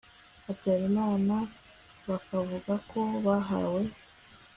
habyarimana bakavuga ko bahawe